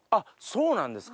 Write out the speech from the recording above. そうなんですか。